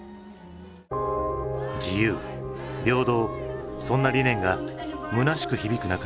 自由平等そんな理念がむなしく響く中